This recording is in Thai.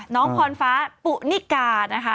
น้องพรฟ้าปุนิกานะคะ